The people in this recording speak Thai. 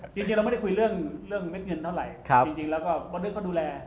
จริงเราไม่ได้คุยเรื่องเม็ดเงินเท่าไหร่จริงแล้วก็คนนึงเขาดูแล